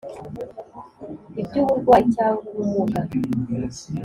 ibyuburwayi cyangwa ubumuga,